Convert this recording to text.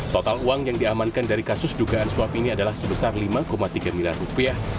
total uang yang diamankan dari kasus dugaan suap ini adalah sebesar lima tiga miliar rupiah